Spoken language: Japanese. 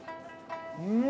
うん！